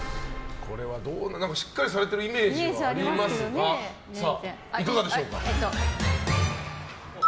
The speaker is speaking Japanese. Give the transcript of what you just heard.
しっかりされてるイメージはありますがいかがでしょうか。